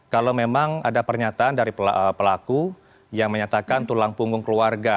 kalau memang ada pernyataan dari pelaku yang menyatakan tulang punggung keluarga